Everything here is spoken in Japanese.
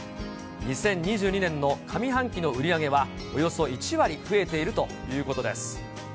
２０２２年の上半期の売り上げは、およそ１割増えているということです。